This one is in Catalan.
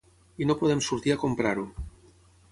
I no podem sortir a comprar-ho.